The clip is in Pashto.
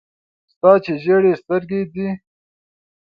ستا چي ژېري سترګي دې دي .